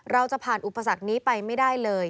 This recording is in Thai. เราจะผ่านอุปสรรคนี้ไปไม่ได้เลย